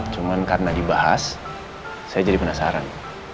cuma karena dibahas saya jadi penasaran